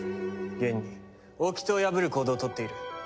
現に掟を破る行動を取っている。